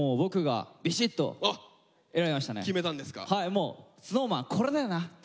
もうＳｎｏｗＭａｎこれだよなっつって。